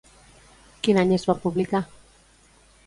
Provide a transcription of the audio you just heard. Quin any es va publicar?